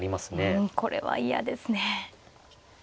うんこれは嫌ですね。